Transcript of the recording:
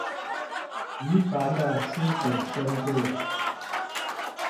漁船的吃水深度